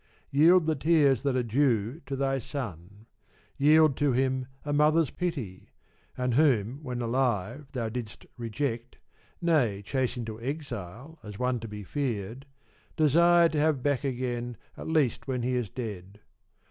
Yield the tears that are due to thy son ; yield to him a mother's pity ; and whom when alive thou didst reject, nay chase into exile as one to be feared, desire to have back again at least when he is dead.